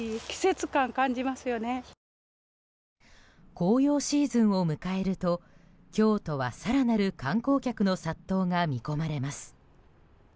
紅葉シーズンを迎えると京都は更なる観光客の殺到が見込まれます。